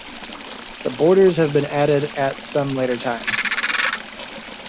The borders have been added at some later time.